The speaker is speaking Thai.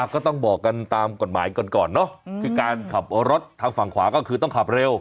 ก็ต้องบอกกันตามกฎหมายก่อนเนอะคือการขับรถทางฝั่งขวาก็คือต้องขับเร็ว